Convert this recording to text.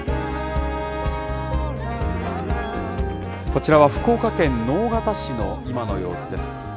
こちらは福岡県直方市の今の様子です。